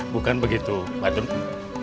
bukan begitu pak demi